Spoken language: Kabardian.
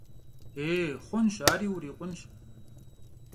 Yê, xhunş, ari yirikhunş.